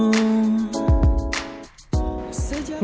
itu yang ku rasakan denganmu